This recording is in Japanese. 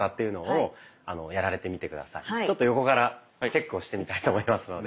ちょっと横からチェックをしてみたいと思いますので。